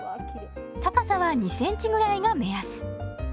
高さは２センチぐらいが目安。